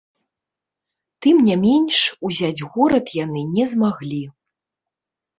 Тым не менш узяць горад яны не змаглі.